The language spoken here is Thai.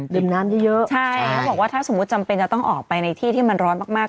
น้ำเยอะเยอะใช่เขาบอกว่าถ้าสมมุติจำเป็นจะต้องออกไปในที่ที่มันร้อนมากมาก